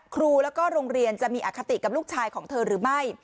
ครูแล้วก็โรงเรียนจะมีอคติกับลูกชายของเธอหรือไม่